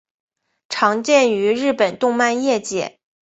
常见于日本动漫业界。